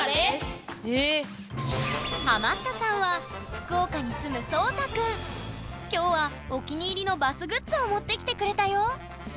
ハマったさんは今日はお気に入りのバスグッズを持ってきてくれたよ！